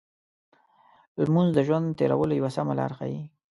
لمونځ د ژوند تېرولو یو سمه لار ښيي.